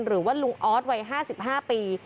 หรือว่าลุงออสวัย๕๕ปี